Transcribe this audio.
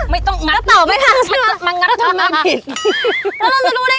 ไม่ได้